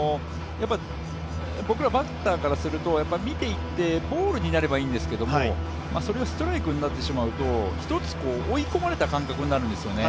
僕らバッターからすると、見ていってボールになればいいんですけどそれがストライクになってしまうと、一つ追い込まれた感覚になるんですよね。